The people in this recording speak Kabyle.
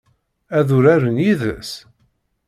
Ad uraren yid-s?